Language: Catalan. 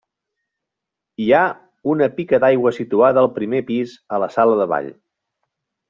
Hi ha una pica d'aigua situada al primer pis a la sala de ball.